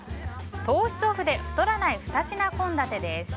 糖質オフで太らない２品献立です。